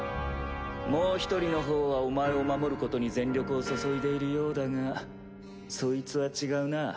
もう一人の方はお前を守ることに全力を注いでいるようだがそいつは違うな。